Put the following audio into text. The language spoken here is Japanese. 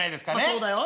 そうだよ。